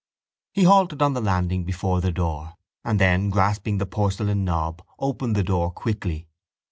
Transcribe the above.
He halted on the landing before the door and then, grasping the porcelain knob, opened the door quickly.